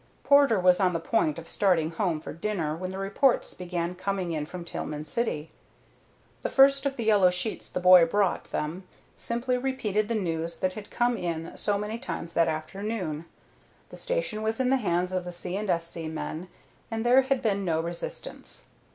Porter was on the point of starting home for dinner when the reports began coming in from Tillman City. The first of the yellow sheets the boy brought them simply repeated the news that had come in so many times that afternoon. The station was in the hands of the C. & S.C. men, and there had been no resistance.